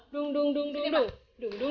dung dung dung dung